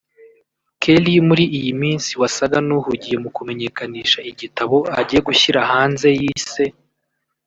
Kelly muri iyi minsi wasaga n’uhugiye mu kumenyekanisha igitabo agiye gushyira hanze yise